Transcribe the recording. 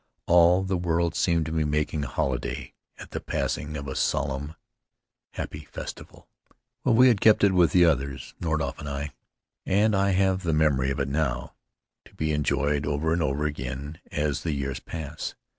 All the world seemed to be making holiday at the passing of a solemn, happy festival. Well, we had kept it with the others — Nordhoff and I — and have the memory of it now, to be enjoyed over and over again as the years pass.